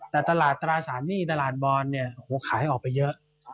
แต่ตลาดตราสารหนี้ตลาดบอลเนี่ยโอ้โหขายออกไปเยอะ